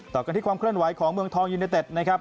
ต่อกันที่ความเคลื่อนไหวของเมืองทองยูเนเต็ดนะครับ